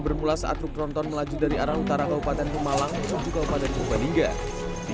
bermula saat truk tronton melaju dari arah utara kabupaten kemalang ke kabupaten kumpalingga di